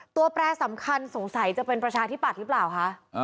แปรสำคัญสงสัยจะเป็นประชาธิปัตย์หรือเปล่าคะ